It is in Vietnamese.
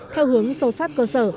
theo hướng sâu sát cơ sở